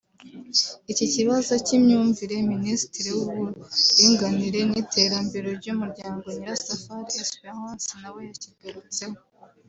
Iki kibazo cy’imyumvire Minisitiri w’uburinganire n’iterambere ry’umuryango Nyirasafari Espérance na we yakigarutseho